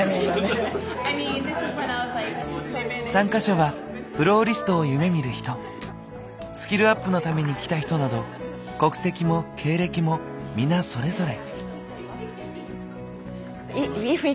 参加者はフローリストを夢みる人スキルアップのために来た人など国籍も経歴も皆それぞれ。